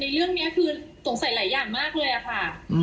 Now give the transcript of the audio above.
เรื่องนี้คือสงสัยหลายอย่างมากเลยอะค่ะ